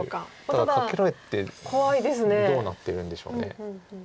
ただカケられてどうなってるんでしょう。